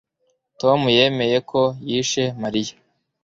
Tom yemeye ko yishe Mariya